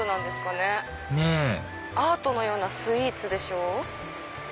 ねぇアートのようなスイーツでしょ。